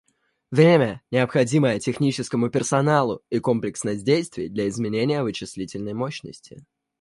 Время, необходимое техническому персоналу и комплексность действий для изменения вычислительной мощности